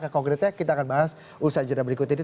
konkretnya kita akan bahas usaha jadwal berikut ini